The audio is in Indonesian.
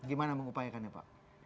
gimana mengupayakannya pak